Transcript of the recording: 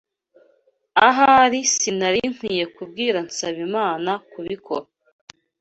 Ahari sinari nkwiye kubwira Nsabimana kubikora.